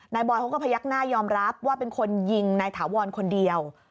บอยเขาก็พยักหน้ายอมรับว่าเป็นคนยิงนายถาวรคนเดียว